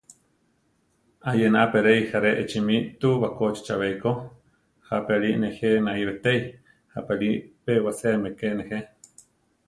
Ayena a peréi járe echimi túu bakóchi chabéiko, jápi Ali nejé naí betéi, jápi Ali pe waséami ke nejé.